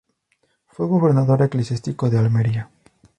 Fue gobernador eclesiástico de Almería.